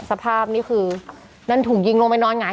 สภาพนี่คือนั่นถูกยิงลงไปนอนหงาย